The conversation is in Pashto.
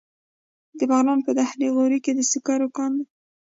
د بغلان په دهنه غوري کې د سکرو کان دی.